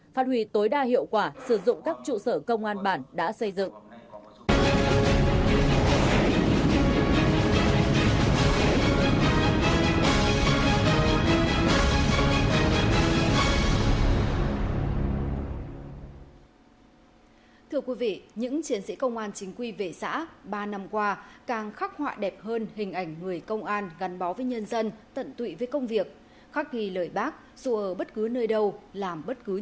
phát huy tối đa hiệu quả sử dụng các trụ sở công an bản đã xây dựng